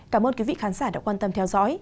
cảm ơn quý vị khán giả đã quan tâm theo dõi